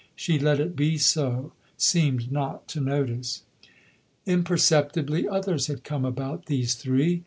She let it be so; seemed not to notice. Imperceptibly others had come about these three.